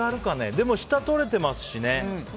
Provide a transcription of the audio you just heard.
でも、下取れてますしね。